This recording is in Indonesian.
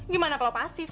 gimana kalau pasif